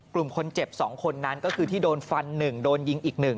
กลุ่มคนเจ็บ๒คนนั้นก็คือที่โดนฟัน๑โดนยิงอีก๑